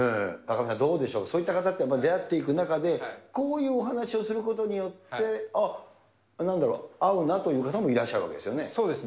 どうでしょう、出会っていく中で、こういうお話をすることによって、あっ、なんだろう、合うなという方もいらっしゃるわけですよね。